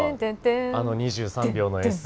あの２３秒のＳＥ。